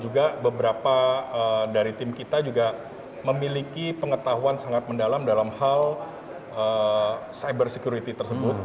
juga beberapa dari tim kita juga memiliki pengetahuan sangat mendalam dalam hal cyber security tersebut